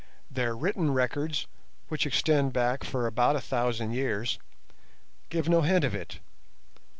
Their written records, which extend back for about a thousand years, give no hint of it.